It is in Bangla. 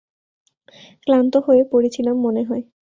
ক্লান্ত হয়ে পড়েছিলাম মনে হয়।